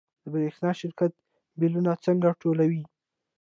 د برښنا شرکت بیلونه څنګه ټولوي؟